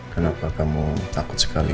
kenapa kamu takut sekali